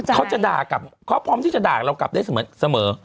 เขาจะด่ากลับเขาพร้อมที่จะด่าเรากลับได้เสมอ